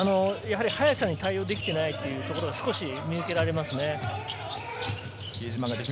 速さに対応できていないところが見受けられますね。